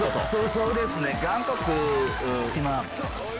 そうですね。